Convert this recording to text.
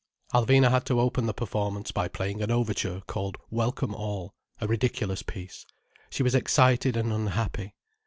Alvina had to open the performance by playing an overture called "Welcome All": a ridiculous piece. She was excited and unhappy.